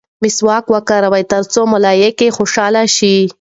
مسواک وکاروه ترڅو ملایکې خوشحاله شي.